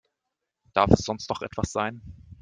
Darf es sonst noch etwas sein?